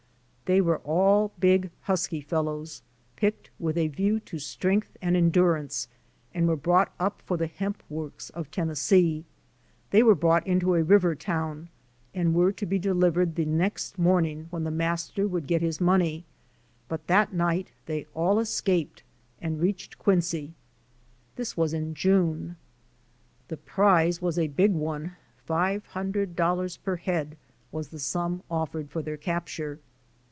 They were all big husky fellows, picked with a view to strength and endurance and were brought up for the hemp works of Tennessee. They were brought into a river town and were to be delivered the next morning when the master would get his money but that night they all escaped and reached Quincy, this was in June. Voi.xv,Nos.3 4 Underground Railroad 589 The prize was a big one ; $500 per head was the sum offered for their capture.